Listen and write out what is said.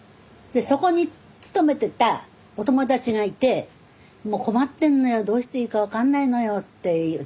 そこに勤めてたお友達がいて「もう困ってんのよどうしていいか分かんないのよ」って言うの。